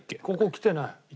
ここ来てない。